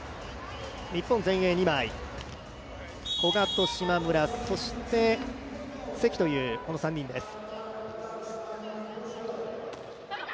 日本、前衛二枚、古賀と島村そして関という３人です。